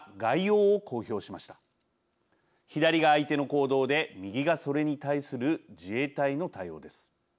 左が相手の行動で右がそれに対する自衛隊の対応です。